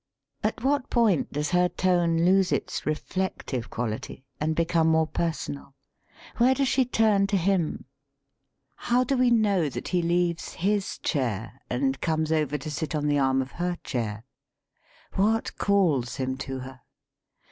At what point does her tone lose its reflective quality and become more personal? Where does she turn to him? How do we know that he leaves his chair and comes over to sit on the arm of her chair ? What calls him to her?